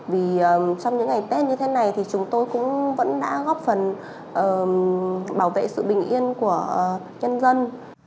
vì trong những ngày tết như thế này thì chúng tôi cũng vẫn đã góp phần bảo vệ sự bình yên của nhân dân